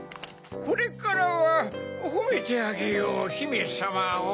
「これからはほめてあげようひめさまを」。